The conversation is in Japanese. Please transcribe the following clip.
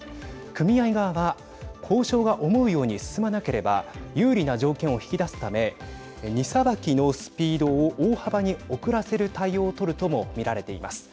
組合側は交渉が思うように進まなければ有利な条件を引き出すため荷さばきのスピードを大幅に遅らせる対応を取るとも見られています。